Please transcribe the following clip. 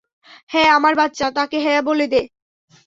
হ্যাঁ, আমার বাচ্চা, তাকে হ্যাঁ বলে দে।